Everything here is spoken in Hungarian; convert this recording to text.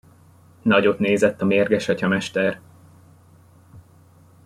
Nagyot nézett a mérges atyamester.